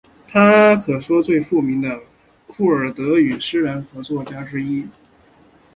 她可说是最负盛名的库尔德语诗人和作家之一。